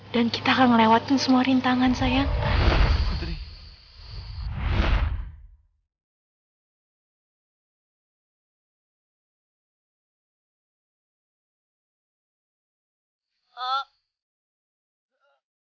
dan kita akan melewatin semua rintangan sayang